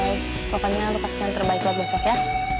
semoga lu pasien terbaik buat besok ya